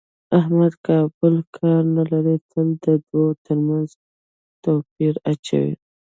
احمد بل کار نه لري، تل د دوو ترمنځ دوپړې اچوي.